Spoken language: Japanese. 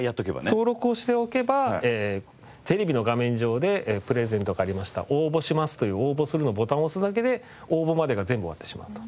登録をしておけばテレビの画面上でプレゼントがありました「応募します」という「応募する」のボタンを押すだけで応募までが全部終わってしまうと。